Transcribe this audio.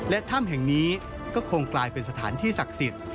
และถ้ำแห่งนี้ก็คงกลายเป็นสถานที่ศักดิ์สิทธิ์